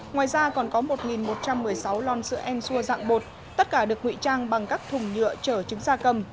ngoài ra còn có một một trăm một mươi sáu lon sữa ensua dạng bột tất cả được nguy trang bằng các thùng nhựa trở chứng gia cầm